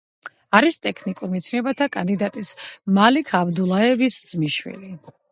არის ტექნიკურ მეცნიერებათა კანდიდატის, მალიქ აბდულაევის ძმისშვილი.